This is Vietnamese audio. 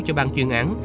cho ban chuyên án